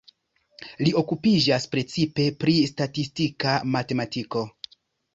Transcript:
Li okupiĝas precipe pri statistika matematiko.